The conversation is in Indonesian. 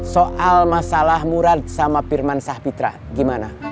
soal masalah mural sama firman sahpitra gimana